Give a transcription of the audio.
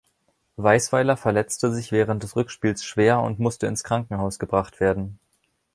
Weisweiler verletzte sich während des Rückspiels schwer und musste ins Krankenhaus gebracht werden.